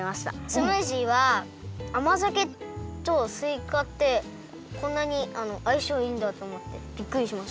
スムージーはあまざけとすいかってこんなにあいしょういいんだとおもってびっくりしました。